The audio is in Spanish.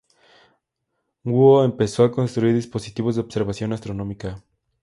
Guo empezó a construir dispositivos de observación astronómica.